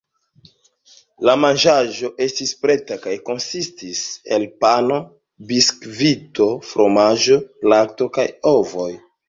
La manĝaĵo estis preta kaj konsistis el pano, biskvito, fromaĝo, lakto kaj ovoj.